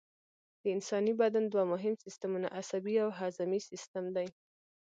د انساني بدن دوه مهم سیستمونه عصبي او هضمي سیستم دي